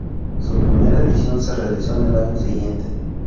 Su primera edición se realizó en el año siguiente.